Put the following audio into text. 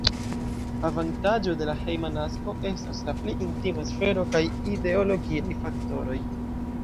Avantaĝo de la hejma nasko estas la pli intima sfero kaj ideologiaj faktoroj.